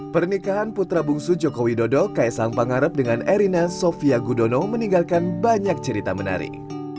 pernikahan putra bungsu jokowi dodo ks angpangarep dengan erina sofia gudono meninggalkan banyak cerita menarik